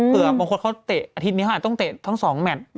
เผื่อบางคนเขาเตะอาทิตย์นี้เขาอาจต้องเตะทั้ง๒แมตต์